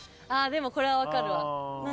でもこれは分かるわ。